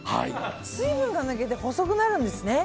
水分が抜けて細くなるんですね。